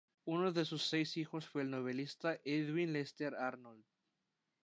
Uno de sus seis hijos fue el novelista Edwin Lester Arnold.